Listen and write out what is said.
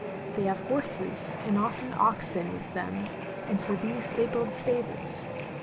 They have horses and often oxen with them, and for these they build stables.